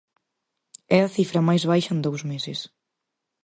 É a cifra máis baixa en dous meses.